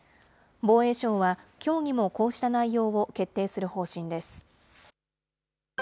防衛省は、きょうにもこうした内容を決定する方針です。